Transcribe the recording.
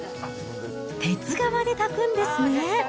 鉄釜で炊くんですね。